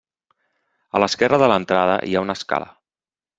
A l'esquerra de l'entrada hi ha una escala.